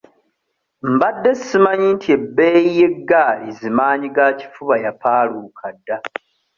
Mbadde simanyi nti ebbeeyi y'eggaali zi maanyigakifuba yapaaluuka dda.